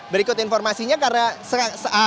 berikut informasinya karena